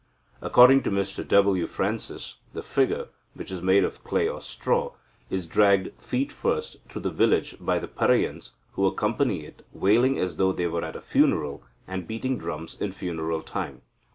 According to Mr W. Francis, the figure, which is made of clay or straw, is dragged feet first through the village by the Paraiyans, who accompany it, wailing as though they were at a funeral, and beating drums in funeral time.